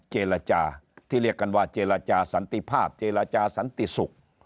เจรจาที่เรียกกันว่าเจรจาสันติภาพเจรจาสันติศุกร์